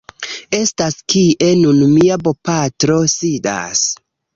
estas kie nun mia bopatro sidas.